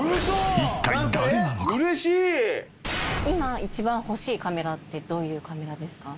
今一番欲しいカメラってどういうカメラですか？